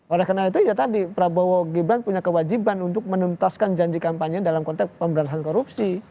oleh karena itu ya tadi prabowo gibran punya kewajiban untuk menuntaskan janji kampanye dalam konteks pemberantasan korupsi